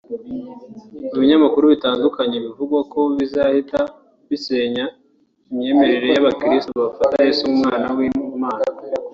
mu binyamakuru bitandukanye byavugwaga ko kizahita gisenya imyemerere y’Abakirisitu bafata Yezu nk’umwana w’Imana